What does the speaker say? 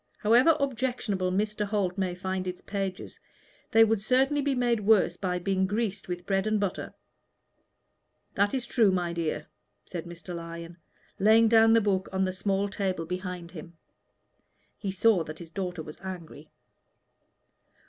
"However objectionable Mr. Holt may find its pages, they would certainly be made worse by being greased with bread and butter." "That is true, my dear," said Mr. Lyon, laying down the book on the small table behind him. He saw that his daughter was angry.